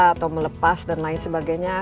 atau melepas dan lain sebagainya